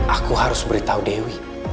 aku harus beritahu dewi